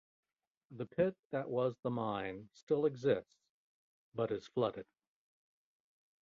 The pit that was the mine still exists, but is flooded.